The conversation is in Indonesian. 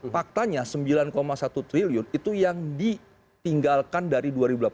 faktanya sembilan satu triliun itu yang ditinggalkan dari dua ribu delapan belas